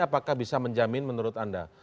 apakah bisa menjamin menurut anda